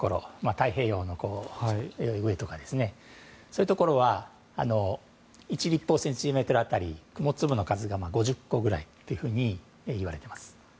太平洋の上とかそういうところは１立方センチメートル当たり雲粒の数が５０個ぐらいといわれています。